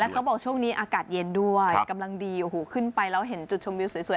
เขาบอกช่วงนี้อากาศเย็นด้วยกำลังดีโอ้โหขึ้นไปแล้วเห็นจุดชมวิวสวย